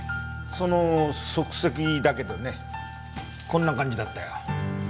その足跡だけどねこんな感じだったよ。